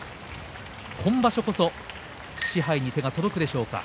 今場所こそ賜盃に手が届くでしょうか。